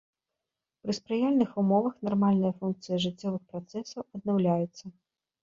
Пры спрыяльных умовах нармальныя функцыі жыццёвых працэсаў аднаўляюцца.